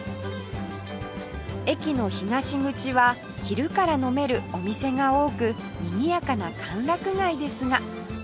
駅の東口は昼から飲めるお店が多くにぎやかな歓楽街ですが